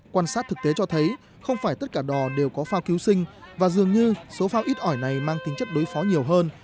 quan sát thực tế cho thấy không phải tất cả đò đều có phao cứu sinh và dường như số phao ít ỏi này mang tính chất đối phó nhiều hơn